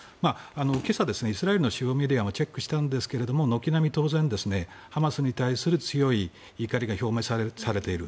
今朝イスラエルの主要メディアもチェックしたんですが軒並み、当然ハマスに対する強い怒りが表明されている。